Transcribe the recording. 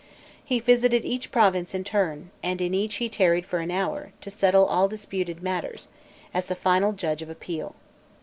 He visited each province in turn, and in each he tarried for an hour, to settle all disputed matters, as the final judge of appeal.